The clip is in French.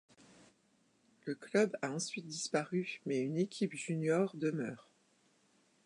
Le club a ensuite disparu mais une équipe junior demeure.